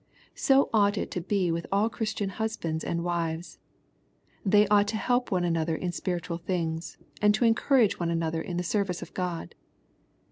So ought it to be with all Christian husbands and wives. They ought to help one another in spiritual things, and to encourage one another in the service of God.